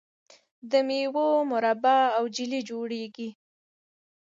د میوو مربا او جیلی جوړیږي.